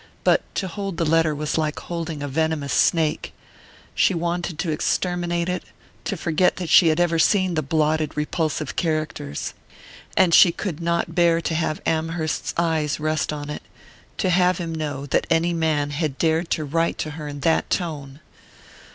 But to hold the letter was like holding a venomous snake she wanted to exterminate it, to forget that she had ever seen the blotted repulsive characters. And she could not bear to have Amherst's eyes rest on it, to have him know that any man had dared to write to her in that tone.